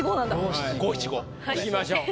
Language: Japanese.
いきましょう。